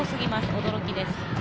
驚きです。